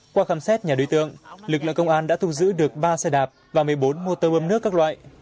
qua khám xét nhà đối tượng lực lượng công an đã thu giữ được ba xe đạp và một mươi bốn motor bâm nước các loại